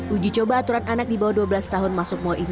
uji coba aturan anak di bawah dua belas tahun masuk mall ini